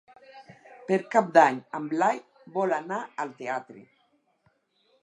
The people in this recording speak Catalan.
Per Cap d'Any en Blai vol anar al teatre.